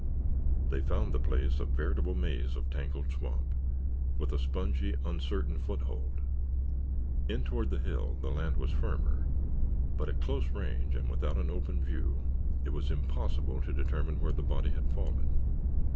They found the place a veritable maze of tangled swamp, with a spongy, uncertain foothold. In toward the hill the land was firmer but at close range and without an open view it was impossible to determine where the body had fallen.